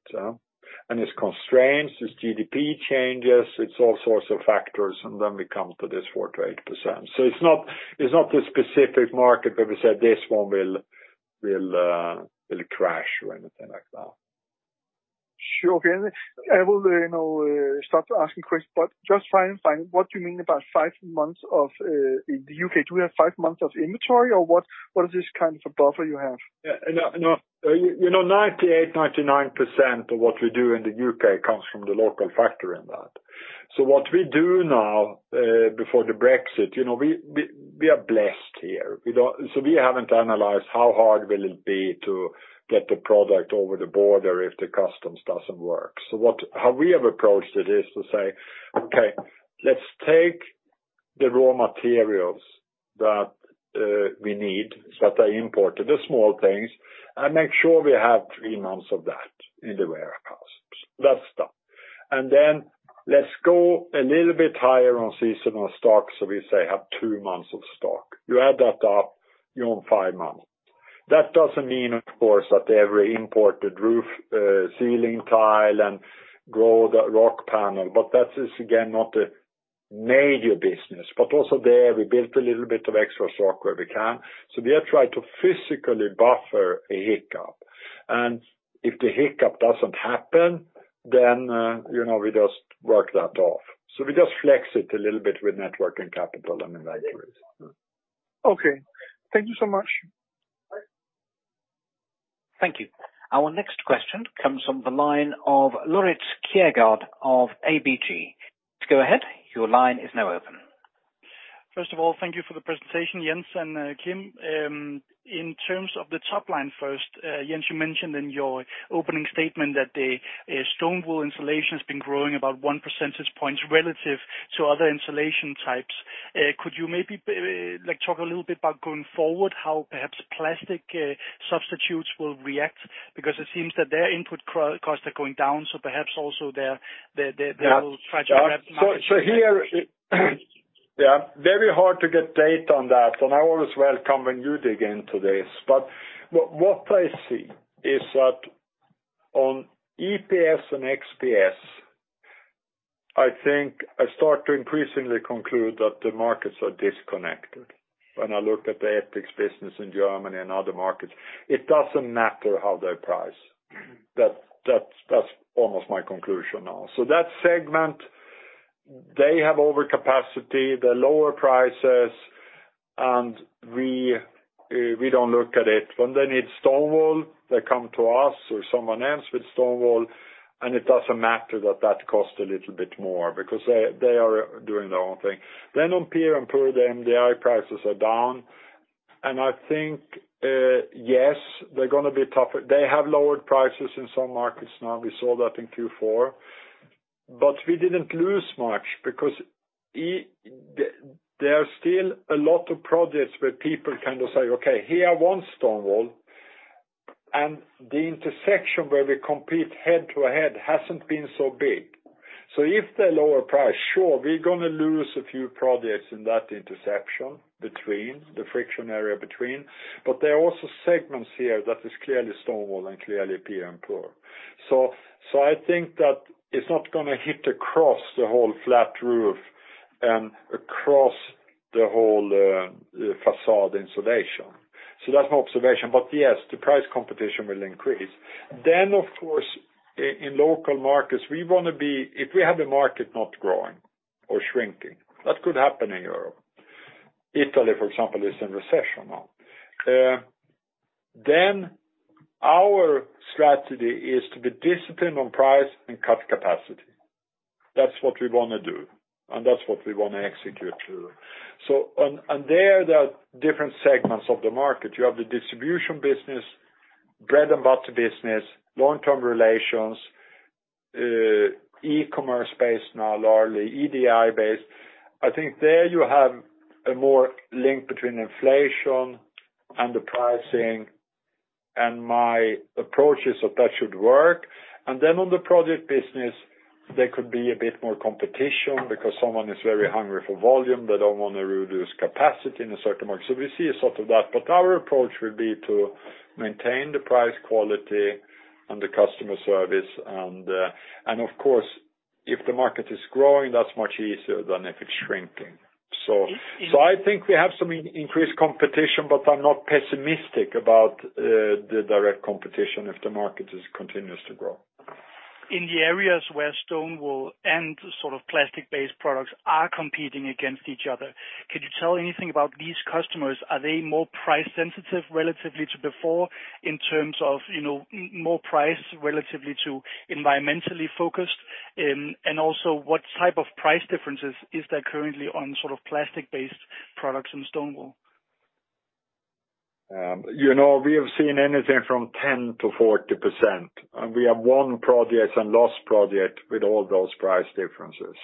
It's constraints, it's GDP changes, it's all sorts of factors, we come to this 4%-8%. It's not a specific market where we said, this one will crash or anything like that. Sure. Okay. I will start asking questions, but just to find, what do you mean about five months in the U.K.? Do we have five months of inventory or what is this kind of a buffer you have? Yeah. 98%, 99% of what we do in the U.K. comes from the local factory in that. What we do now before the Brexit, we are blessed here. We haven't analyzed how hard will it be to get the product over the border if the customs doesn't work. How we have approached it is to say, okay, let's take the raw materials that we need, that are imported, the small things, and make sure we have three months of that in the warehouse. That's done. Let's go a little bit higher on seasonal stock, so we say have two months of stock. You add that up, you're on five months. That doesn't mean, of course, that every imported roof, ceiling tile, and Rockpanel, that is again not the major business. Also there, we built a little bit of extra stock where we can. We have tried to physically buffer a hiccup. If the hiccup doesn't happen, then we just work that off. We just flex it a little bit with network and capital and inventories. Okay. Thank you so much. Thank you. Our next question comes from the line of Laurits Kjaergaard of ABG. Go ahead, your line is now open. First of all, thank you for the presentation, Jens and Kim. In terms of the top line first, Jens, you mentioned in your opening statement that the stone wool insulation has been growing about one percentage point relative to other insulation types. Could you maybe talk a little bit about going forward how perhaps plastic substitutes will react? It seems that their input costs are going down, perhaps also they will try to grab market share. Here, very hard to get data on that, and I always welcome when you dig into this. What I see is that on EPS and XPS, I think I start to increasingly conclude that the markets are disconnected. When I look at the ETICS business in Germany and other markets, it doesn't matter how they price. That's almost my conclusion now. That segment, they have overcapacity, they lower prices, and we don't look at it. When they need stone wool, they come to us or someone else with stone wool, and it doesn't matter that that cost a little bit more because they are doing their own thing. On PIR and PUR, the MDI prices are down. I think, yes, they're going to be tougher. They have lowered prices in some markets now. We saw that in Q4. We didn't lose much because there are still a lot of projects where people kind of say, "Okay, here I want stone wool," and the intersection where we compete head-to-head hasn't been so big. If they lower price, sure, we're going to lose a few projects in that intersection between, the friction area between. There are also segments here that is clearly stone wool and clearly PIR and PUR. I think that it's not going to hit across the whole flat roof and across the whole facade insulation. That's my observation, but yes, the price competition will increase. Of course, in local markets, if we have the market not growing or shrinking, that could happen in Europe. Italy, for example, is in recession now. Our strategy is to be disciplined on price and cut capacity. That's what we want to do, that's what we want to execute through. There are different segments of the market. You have the distribution business, bread-and-butter business, long-term relations, e-commerce based now largely, EDI based. I think there you have a more link between inflation and the pricing, and my approach is that that should work. On the project business, there could be a bit more competition because someone is very hungry for volume. They don't want to reduce capacity in a certain market. We see a sort of that, but our approach will be to maintain the price quality and the customer service and, of course, if the market is growing, that's much easier than if it's shrinking. I think we have some increased competition, but I'm not pessimistic about the direct competition if the market continues to grow. In the areas where stone wool and plastic-based products are competing against each other, can you tell anything about these customers? Are they more price sensitive relatively to before in terms of more price relative to environmentally focused? Also, what type of price differences is there currently on plastic-based products and stone wool? We have seen anything from 10%-40%, we have won projects and lost projects with all those price differences.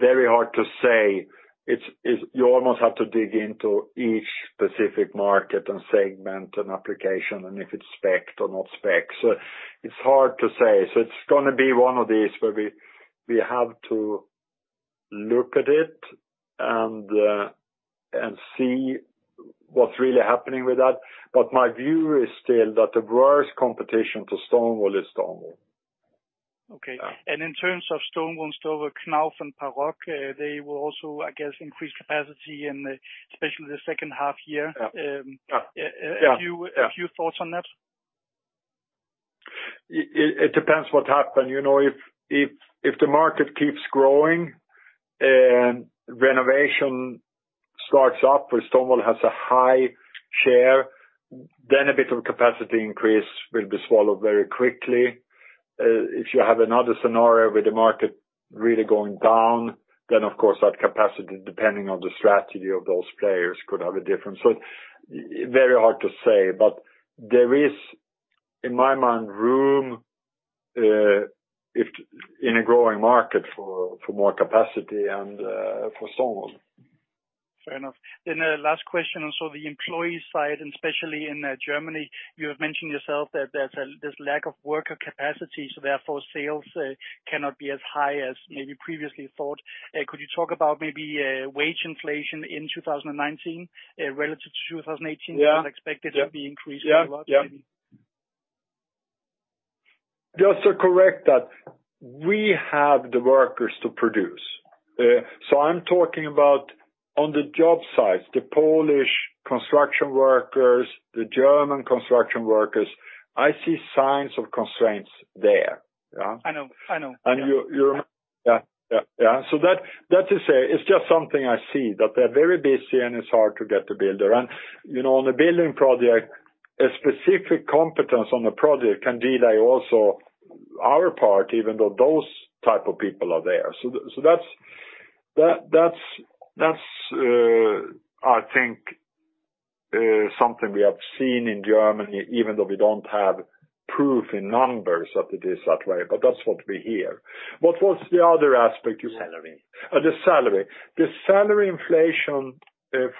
Very hard to say. You almost have to dig into each specific market and segment and application and if it's spec or not spec. It's hard to say. It's going to be one of these where we have to look at it and see what's really happening with that. My view is still that the worst competition to stone wool is stone wool. Okay. In terms of stone wool, Isover, Knauf, and Paroc, they will also, I guess, increase capacity in especially the second half year. Yeah. A few thoughts on that? It depends what happens. If the market keeps growing and renovation starts up where stone wool has a high share, then a bit of capacity increase will be swallowed very quickly. If you have another scenario with the market really going down, then of course that capacity, depending on the strategy of those players, could have a difference. Very hard to say, but there is, in my mind, room in a growing market for more capacity and for stone wool. Fair enough. The last question on the employee side, especially in Germany, you have mentioned yourself that there's this lack of worker capacity, therefore sales cannot be as high as maybe previously thought. Could you talk about maybe wage inflation in 2019 relative to 2018? Yeah. Which is expected to be increasing a lot maybe. You are so correct that we have the workers to produce. I'm talking about on the job sites, the Polish construction workers, the German construction workers. I see signs of constraints there. I know. Yeah. That to say, it's just something I see, that they're very busy and it's hard to get a builder. On a building project, a specific competence on the project can delay also our part, even though those type of people are there. That's I think something we have seen in Germany, even though we don't have proof in numbers that it is that way, but that's what we hear. What was the other aspect you said? Salary. The salary. The salary inflation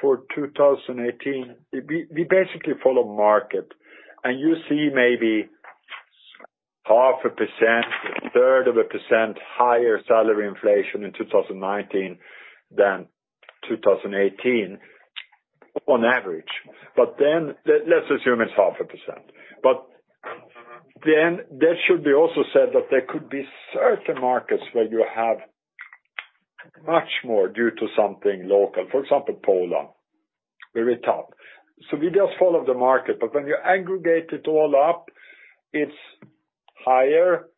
for 2018, we basically follow market, and you see maybe half a percent, a third of a percent higher salary inflation in 2019 than 2018 on average. Let's assume it's half a percent. That should be also said that there could be certain markets where you have much more due to something local, for example, Poland, very tough. We just follow the market, but when you aggregate it all up, it's higher,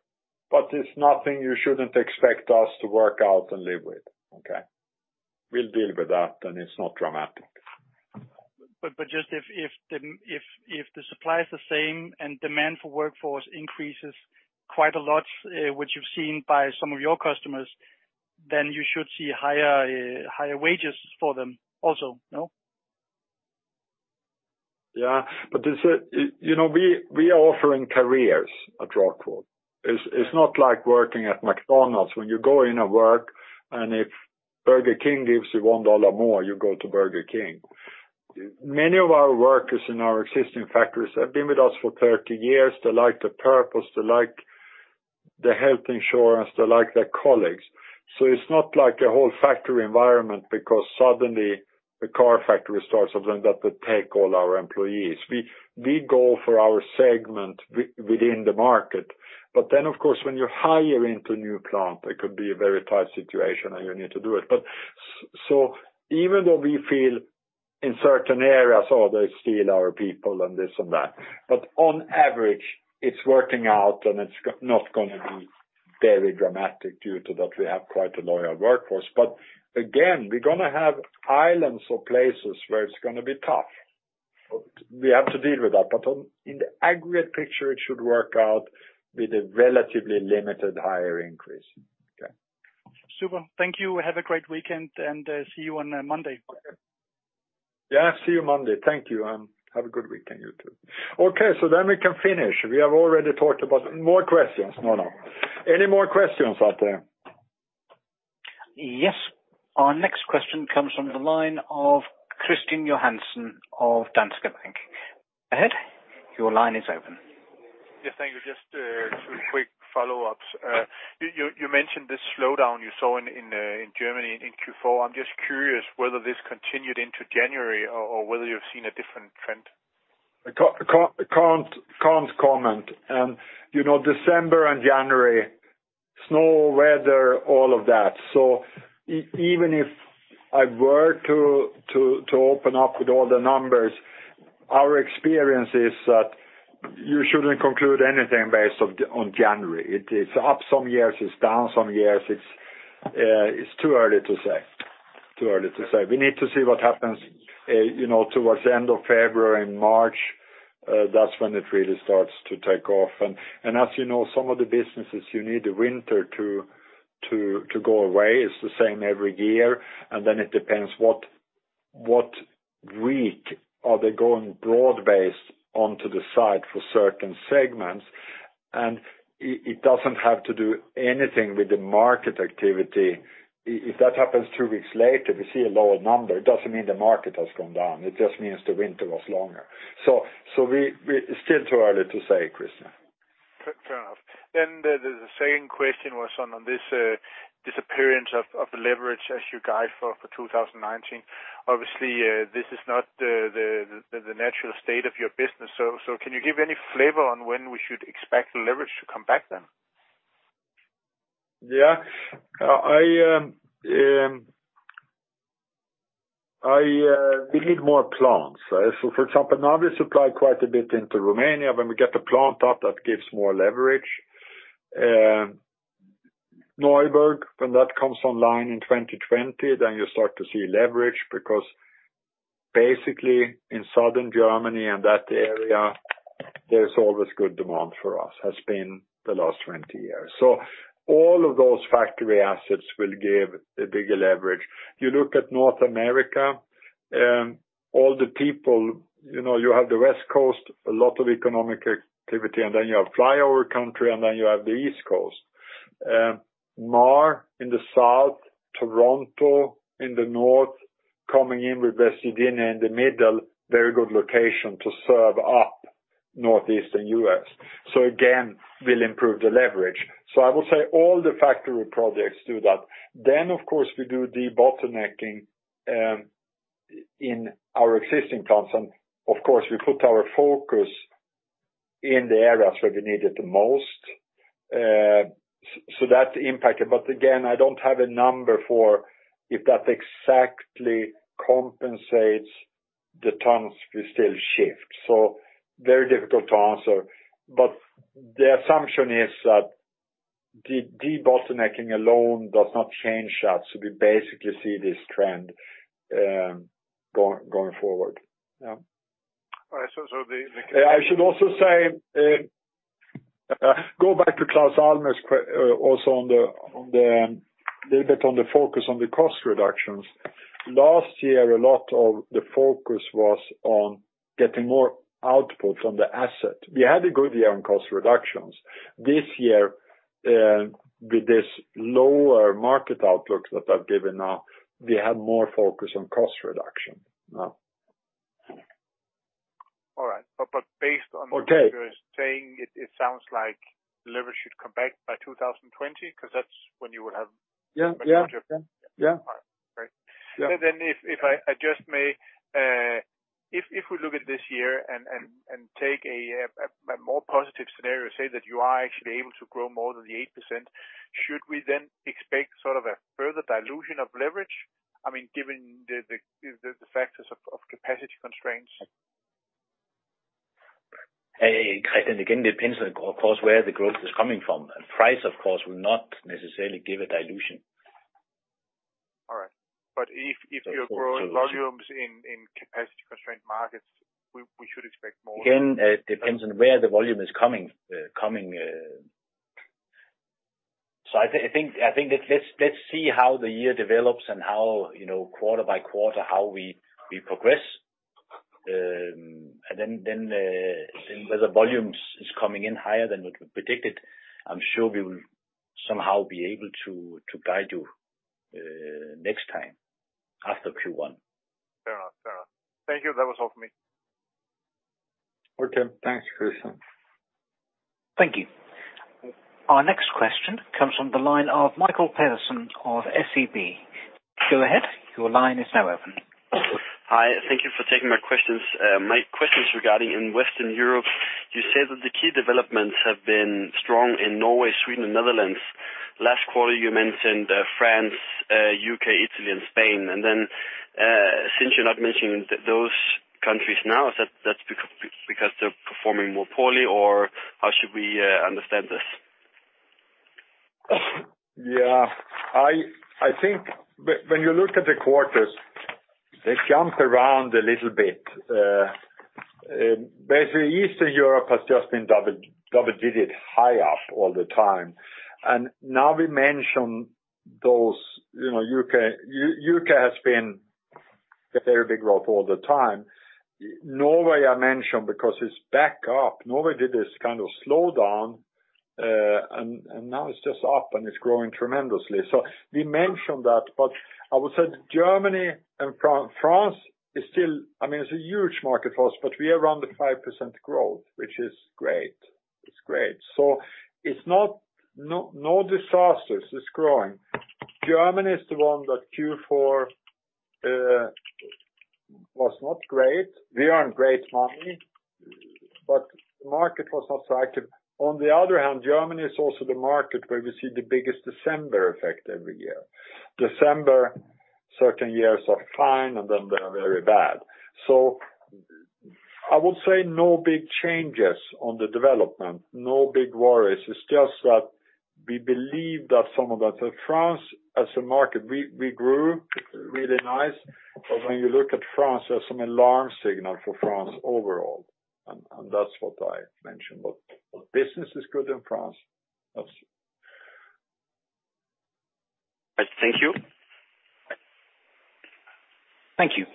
but it's nothing you shouldn't expect us to work out and live with, okay? We'll deal with that, and it's not dramatic. Just if the supply is the same and demand for workforce increases quite a lot, which you've seen by some of your customers, then you should see higher wages for them also, no? We are offering careers at ROCKWOOL. It's not like working at McDonald's when you go in to work, and if Burger King gives you $1 more, you go to Burger King. Many of our workers in our existing factories have been with us for 30 years. They like the purpose, they like the health insurance, they like their colleagues. It's not like a whole factory environment because suddenly the car factory starts, suddenly they take all our employees. We go for our segment within the market. Of course, when you're hiring to a new plant, it could be a very tight situation, and you need to do it. Even though we feel in certain areas, oh, they steal our people and this and that, on average, it's working out, and it's not going to be very dramatic due to that we have quite a loyal workforce. Again, we're going to have islands or places where it's going to be tough. We have to deal with that. In the aggregate picture, it should work out with a relatively limited hire increase. Okay. Super. Thank you. Have a great weekend, and see you on Monday. Okay. See you Monday. Thank you, and have a good weekend, you too. We can finish. We have already talked about more questions. No, no. Any more questions out there? Yes. Our next question comes from the line of Kristian Johansen of Danske Bank. Go ahead, your line is open. Yes. Thank you. Just two quick follow-ups. You mentioned this slowdown you saw in Germany in Q4. I'm just curious whether this continued into January or whether you've seen a different trend. Can't comment. December and January, snow, weather, all of that. Even if I were to open up with all the numbers, our experience is that you shouldn't conclude anything based on January. It's up some years, it's down some years. It's too early to say. We need to see what happens towards the end of February and March. That's when it really starts to take off. As you know, some of the businesses you need the winter to go away. It's the same every year. Then it depends what week are they going broad-based onto the site for certain segments. It doesn't have to do anything with the market activity. If that happens two weeks later, we see a lower number, it doesn't mean the market has gone down. It just means the winter was longer. It's still too early to say, Kristian. Fair enough. The second question was on this disappearance of the leverage as you guide for 2019. Obviously, this is not the natural state of your business. Can you give any flavor on when we should expect the leverage to come back then? We need more plants, right? For example, now we supply quite a bit into Romania. When we get the plant up, that gives more leverage. Neuburg, when that comes online in 2020, then you start to see leverage because basically in Southern Germany and that area, there is always good demand for us, has been the last 20 years. All of those factory assets will give a bigger leverage. You look at North America, all the people, you have the West Coast, a lot of economic activity, and then you have flyover country, and then you have the East Coast. Marshall in the South, Toronto in the North, coming in with West Virginia in the middle, very good location to serve up Northeastern U.S. Again, will improve the leverage. I would say all the factory projects do that. Of course, we do debottlenecking in our existing plants, and of course, we put our focus in the areas where we need it the most. That is the impact. Again, I do not have a number for if that exactly compensates the tons we still shift. Very difficult to answer. The assumption is that debottlenecking alone does not change that, we basically see this trend going forward. Yeah. All right. The I should also say, go back to Claus Almer also on the little bit on the focus on the cost reductions. Last year, a lot of the focus was on getting more output on the asset. We had a good year on cost reductions. This year, with this lower market outlook that I have given now, we have more focus on cost reduction now. All right. Based on what you're saying, it sounds like leverage should come back by 2020. Yeah. Right. Yeah. If I just may, if we look at this year and take a more positive scenario, say that you are actually able to grow more than the 8%, should we then expect sort of a further dilution of leverage? Given the factors of capacity constraints. Kristian, again, depends on, of course, where the growth is coming from. Price, of course, will not necessarily give a dilution. All right. If you're growing volumes in capacity-constrained markets, we should expect more. Again, it depends on where the volume is coming. I think let's see how the year develops and how quarter by quarter we progress. Whether volumes is coming in higher than what we predicted, I'm sure we will somehow be able to guide you next time after Q1. Fair enough. Thank you. That was all for me. Okay. Thanks, Kristian. Thank you. Our next question comes from the line of Michael Pearson of SEB. Go ahead, your line is now open. Hi. Thank you for taking my questions. My question is regarding in Western Europe, you said that the key developments have been strong in Norway, Sweden, and Netherlands. Last quarter, you mentioned France, U.K., Italy, and Spain. Since you're not mentioning those countries now, is that because they're performing more poorly? Or how should we understand this? Yeah. I think when you look at the quarters, they jump around a little bit. Basically, Eastern Europe has just been double-digit, high up all the time. Now we mention those. U.K. has been a very big growth all the time. Norway, I mentioned because it's back up. Norway did this kind of slowdown, and now it's just up and it's growing tremendously. We mentioned that, I would say Germany and France is a huge market for us, but we are around the 5% growth, which is great. It's great. It's no disasters. It's growing. Germany is the one that Q4 was not great. We earned great money, the market was not so active. On the other hand, Germany is also the market where we see the biggest December effect every year. December, certain years are fine, they're very bad. I would say no big changes on the development. No big worries. It's just that we believe that some of that France as a market, we grew really nice. When you look at France, there's some alarm signal for France overall, that's what I mentioned. Business is good in France. That's it. Thank you. Thank you.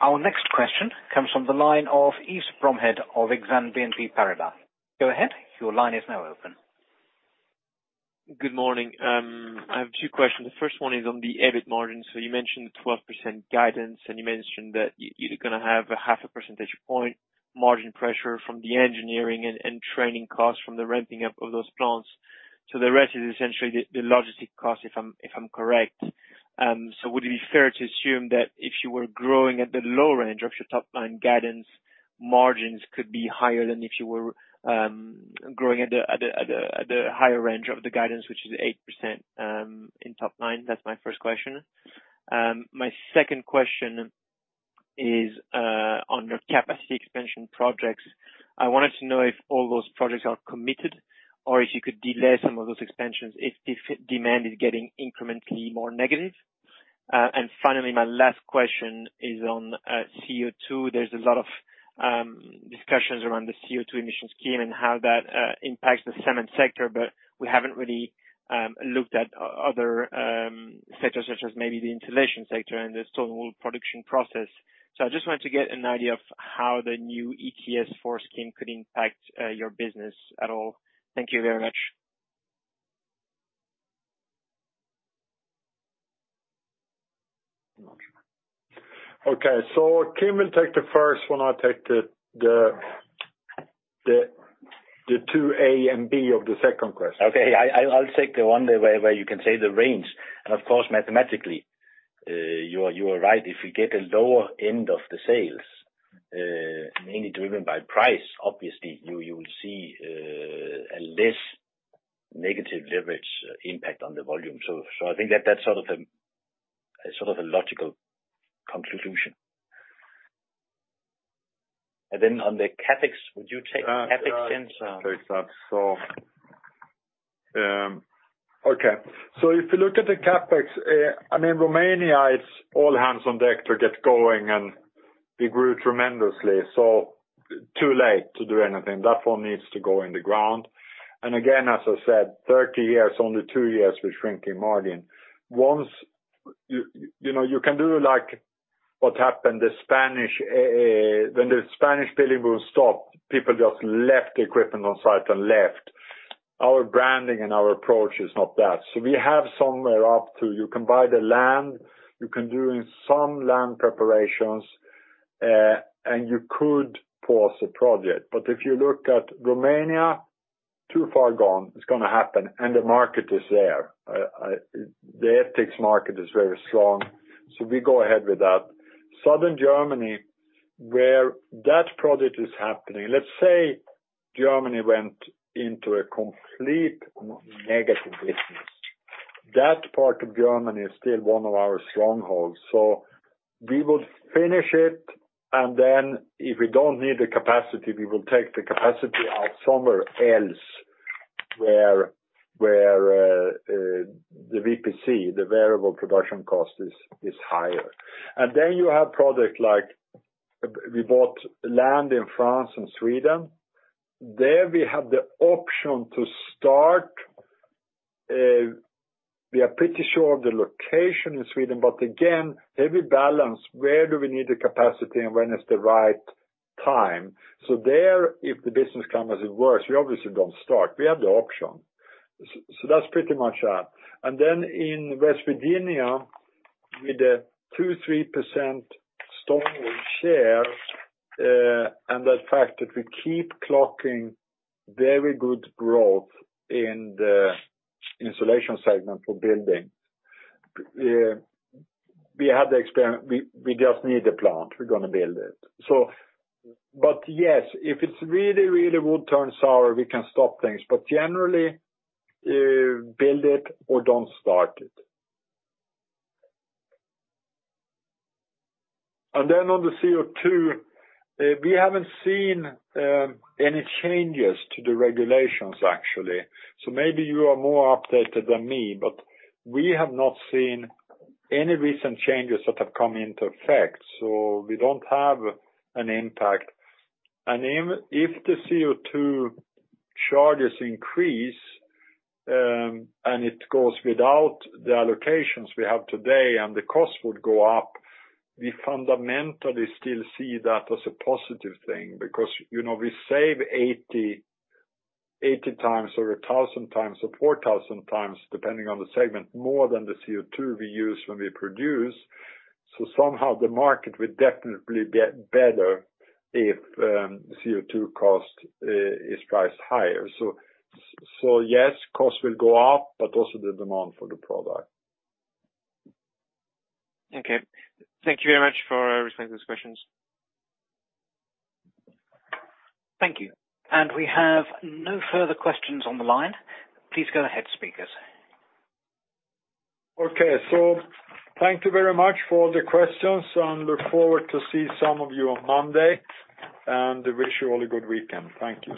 Our next question comes from the line of Yves Bromehead of Exane BNP Paribas. Go ahead. Your line is now open. Good morning. I have two questions. The first one is on the EBIT margin. You mentioned the 12% guidance, and you mentioned that you're going to have a 0.5 percentage point margin pressure from the engineering and training costs from the ramping up of those plants. The rest is essentially the logistic cost, if I'm correct. Would it be fair to assume that if you were growing at the low range of your top-line guidance, margins could be higher than if you were growing at the higher range of the guidance, which is 8% in top line? That's my first question. My second question is on your capacity expansion projects. I wanted to know if all those projects are committed or if you could delay some of those expansions if demand is getting incrementally more negative. And finally, my last question is on CO2. There's a lot of discussions around the CO2 emission scheme and how that impacts the cement sector, but we haven't really looked at other sectors such as maybe the insulation sector and the stone wool production process. I just wanted to get an idea of how the new ETS4 scheme could impact your business at all. Thank you very much. Okay. Kim will take the first one. I'll take the 2A and B of the second question. Okay. I'll take the one where you can say the range. Of course, mathematically, you are right. If you get a lower end of the sales, mainly driven by price, obviously, you will see a less negative leverage impact on the volume. I think that's a logical conclusion. Then on the CapEx, would you take CapEx since- I'll take that. Okay. If you look at the CapEx, Romania, it's all hands on deck to get going. We grew tremendously. Too late to do anything. That one needs to go in the ground. Again, as I said, 30 years, only two years, we're shrinking margin. You can do like what happened, when the Spanish building boom stopped, people just left the equipment on site and left. Our branding and our approach is not that. We have somewhere up to you can buy the land, you can do some land preparations, and you could pause the project. If you look at Romania, too far gone, it's going to happen. The market is there. The ETICS market is very strong, we go ahead with that. Southern Germany, where that project is happening, let's say Germany went into a complete negative business. That part of Germany is still one of our strongholds. We would finish it, then if we don't need the capacity, we will take the capacity out somewhere else where the VPC, the variable production cost is higher. Then you have project like we bought land in France and Sweden. There we have the option to start. We are pretty sure of the location in Sweden, again, heavy balance, where do we need the capacity and when is the right time? There, if the business climate is worse, we obviously don't start. We have the option. That's pretty much that. Then in West Virginia, with a 2%, 3% stone wool share, and the fact that we keep clocking very good growth in the insulation segment for building, we just need the plant. We're going to build it. Yes, if it's really would turn sour, we can stop things, generally, build it or don't start it. Then on the CO2, we haven't seen any changes to the regulations, actually. Maybe you are more updated than me, we have not seen any recent changes that have come into effect, we don't have an impact. If the CO2 charges increase, it goes without the allocations we have today and the cost would go up, we fundamentally still see that as a positive thing because we save 80x or 1,000x or 4,000x, depending on the segment, more than the CO2 we use when we produce. Somehow the market will definitely get better if CO2 cost is priced higher. Yes, cost will go up, also the demand for the product. Okay. Thank you very much for answering those questions. Thank you. We have no further questions on the line. Please go ahead, speakers. Okay. Thank you very much for all the questions, look forward to see some of you on Monday, wish you all a good weekend. Thank you